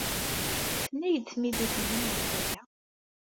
Tenna-iyi-d tmidit-nnem ɣef waya.